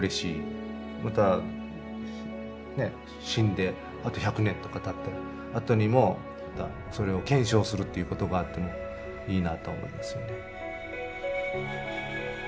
またねえ死んであと１００年とかたったあとにもまたそれを検証するっていうことがあってもいいなと思いますよね。